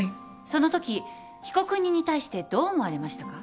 そのとき被告人に対してどう思われましたか？